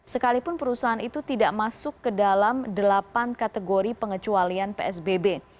sekalipun perusahaan itu tidak masuk ke dalam delapan kategori pengecualian psbb